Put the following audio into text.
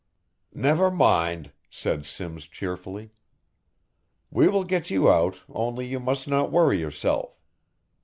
"Never mind!" said Simms cheerfully, "we will get you out only you must not worry yourself.